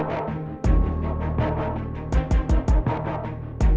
klar nanti kita kalau sampai habis mbak